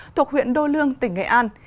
thuộc huyện đô lương tỉnh nghệ an